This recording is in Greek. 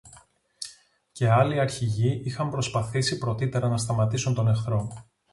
Και άλλοι αρχηγοί είχαν προσπαθήσει πρωτύτερα να σταματήσουν τον εχθρό